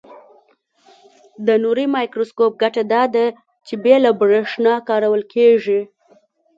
د نوري مایکروسکوپ ګټه داده چې بې له برېښنا کارول کیږي.